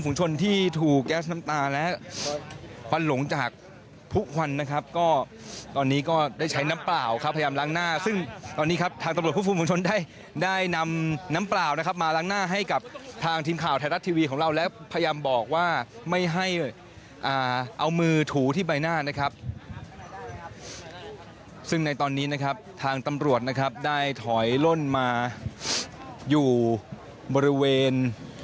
ที่ถูกแก๊สน้ำตาและควันหลงจากผู้ควันนะครับก็ตอนนี้ก็ได้ใช้น้ำเปล่าครับพยายามล้างหน้าซึ่งตอนนี้ครับทางตำรวจผู้คุมชนได้ได้นำน้ำเปล่านะครับมาล้างหน้าให้กับทางทีมข่าวไทยรัฐทีวีของเราและพยายามบอกว่าไม่ให้เอามือถูที่ใบหน้านะครับซึ่งในตอนนี้นะครับทางตำรวจนะครับได้ถอยล่นมาอยู่บริเวณ